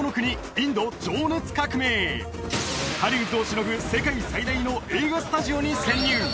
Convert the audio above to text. インド情熱革命ハリウッドをしのぐ世界最大の映画スタジオに潜入